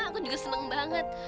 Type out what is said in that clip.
aku juga seneng banget